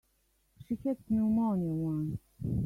She had pneumonia once.